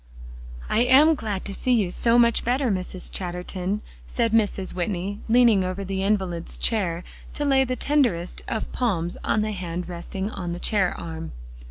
"I am glad to see you so much better, Mrs. Chatterton," said Mrs. Whitney, leaning over the invalid's chair to lay the tenderest of palms on the hand resting on the chair arm.